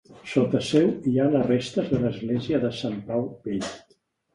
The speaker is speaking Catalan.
Sota seu hi ha les restes de l'església de Sant Pau Vell.